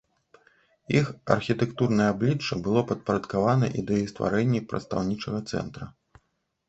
Іх архітэктурнае аблічча было падпарадкаваны ідэі стварэння прадстаўнічага цэнтра.